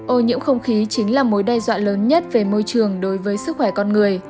ô nhiễm không khí chính là mối đe dọa lớn nhất về môi trường đối với sức khỏe con người